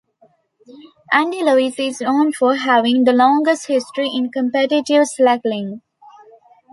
Andy Lewis is known for having the longest history in competitive slacklining.